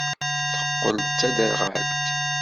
Teqqel d taderɣalt.